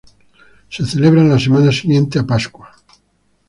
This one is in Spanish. Se celebra la semana siguiente a Pascua.